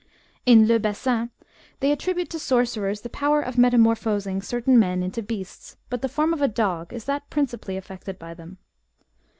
In Le Bessin, they attribute to sorcerers the power of metamorphosing certain men into beasts, but the form of a dog is that principally affected by them.